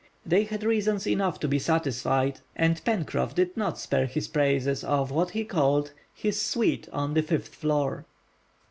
They had reason enough to be satisfied, and Pencroff did not spare his praises of what he called "his suite on the fifth floor."